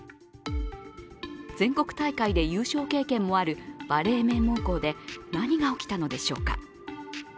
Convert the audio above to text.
全国大会で優勝経験もあるバレー名門校で何が起きたのでしょうか。